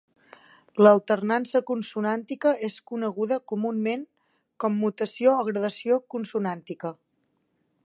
L'alternança consonàntica és coneguda comunament com mutació o gradació consonàntica.